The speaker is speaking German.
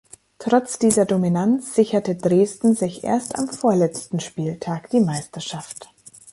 Trotz dieser Dominanz sicherte Dresden sich erst am vorletzten Spieltag die Meisterschaft.